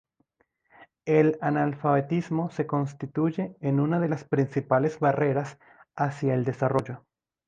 El analfabetismo se constituye en una de las principales barreras hacia el desarrollo.